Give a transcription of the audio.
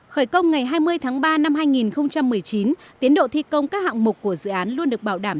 khởi công ngày hai mươi tháng ba năm hai nghìn một mươi chín tiến độ thi công các hạng mục của dự án luôn được bảo đảm